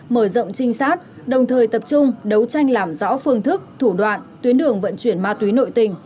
mở rộng trinh sát đồng thời tập trung đấu tranh làm rõ phương thức thủ đoạn tuyến đường vận chuyển ma túy nội tình